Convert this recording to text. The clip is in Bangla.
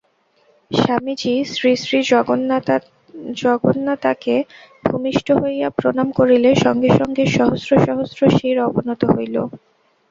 স্বামীজী শ্রীশ্রীজগন্মাতাকে ভূমিষ্ঠ হইয়া প্রণাম করিলে সঙ্গে সঙ্গে সহস্র সহস্র শির অবনত হইল।